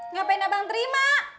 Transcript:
ngapain abang terima